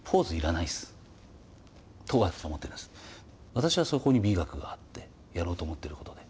私はそこに美学があってやろうと思ってることね。